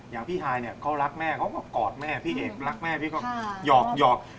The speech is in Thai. อย่างพี่ฮายเนี่ยเขารักแม่เขาก็กอดแม่พี่เอกรักแม่พี่ก็หยอก